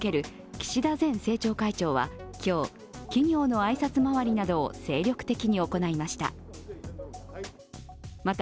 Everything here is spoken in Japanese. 岸田前政調会長は今日、企業の挨拶回りなどを精力的に行いました。